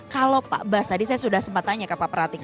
kalau pak bas tadi saya sudah sempat tanya ke pak pratik